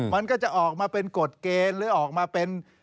มันก็จะออกมาเป็นกฎเกณฑ์หรือออกมาเป็น